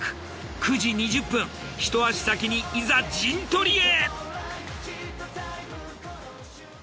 ９時２０分一足先にいざ陣取りへ！